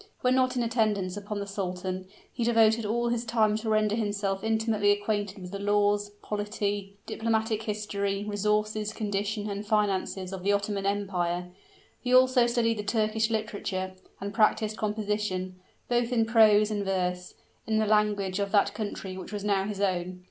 When not in attendance upon the sultan, he devoted all his time to render himself intimately acquainted with the laws, polity, diplomatic history, resources, condition, and finances of the Ottoman Empire; he also studied the Turkish literature, and practiced composition, both in prose and verse, in the language of that country which was now his own!